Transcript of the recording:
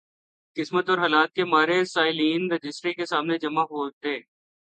قسمت اور حالات کے مارے سائلین رجسٹری کے سامنے جمع ہوتے۔